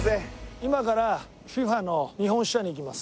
今からＦＩＦＡの日本支社に行きます。